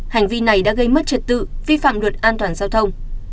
hành vi này đã gây mất trật tự vi phạm luật an toàn giao thông